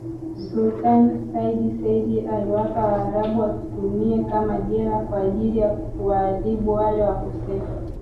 Sultani said seyyid aliwapa waarabu wakitumie kama jela kwa ajili ya kuwaadhibu wale wakosefu